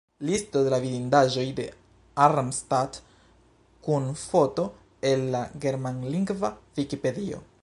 Listo de la vidindaĵoj de Arnstadt kun foto, el la germanlingva Vikipedio.